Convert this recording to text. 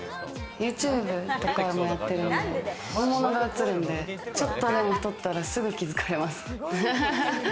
ＹｏｕＴｕｂｅとかもやってるんで、本物が写るんで、ちょっとでも太ったら、すぐ気づかれます。